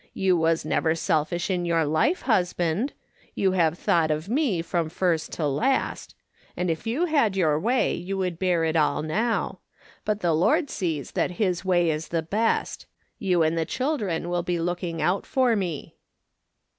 You was never selfish in your life, husband. You have thought of me from first to last; and if you had your way you would bear it all now ; but the Lord sees that His way is the best ; you and the children will be look ing out for me."